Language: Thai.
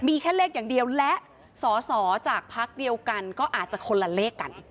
มีแค่เลขอย่างเดียวและสอสอจากพักเดียวกันก็อาจจะคนละเลขกัน